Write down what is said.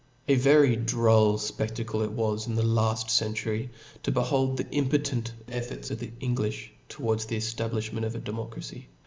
A very droll fpedacle it was* in the lad century (0 behold the impotent efforts of the Englifli towards the eftabliihment of democracy.